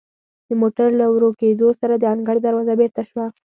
د موټر له ورو کیدو سره د انګړ دروازه بیرته شوه.